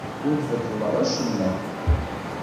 Ur beṭṭleɣ acemma.